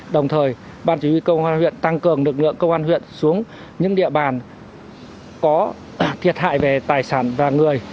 đồng thời ban chỉ huy công an huyện tăng cường lực lượng công an huyện xuống những địa bàn có thiệt hại về tài sản và người